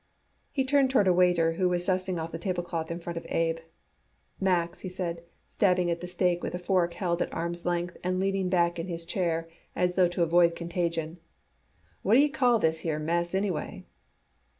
He turned toward a waiter who was dusting off the tablecloth in front of Abe. "Max," he said, stabbing at the steak with a fork held at arm's length and leaning back in his chair as though to avoid contagion. "What d'ye call this here mess anyway?"